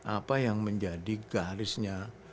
apa yang menjadi garisnya